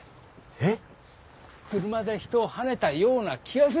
えっ？